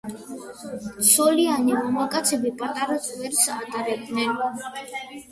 ცოლიანი მამაკაცები პატარა წვერს ატარებდნენ.